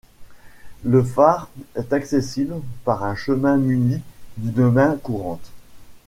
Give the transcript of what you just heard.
Le phare est accessible par un chemin munie d'une main-courante.